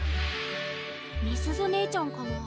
美鈴ねえちゃんかな？